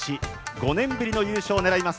５年ぶりの優勝を狙います。